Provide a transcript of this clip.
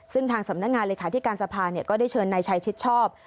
ซึ่งทางสำนักงานเลยค่ะที่การสภาเนี่ยก็ได้เชิญนายชัยชิดชอบ